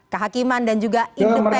kehakiman dan juga independen